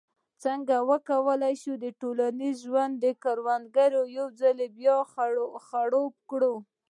څنګه کولای شو د ټولنیز ژوند کرونده یو ځل بیا خړوبه کړو.